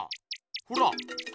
ほら。